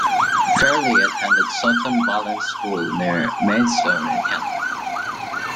Ferley attended Sutton Valence School near Maidstone in Kent.